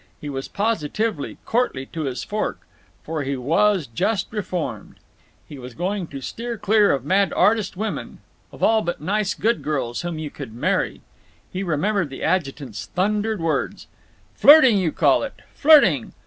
He was positively courtly to his fork. For he was just reformed. He was going to "steer clear" of mad artist women—of all but nice good girls whom you could marry. He remembered the Adjutant's thundered words: "Flirting you call it—flirting!